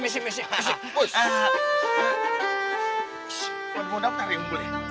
siapa yang mau daftar ya bu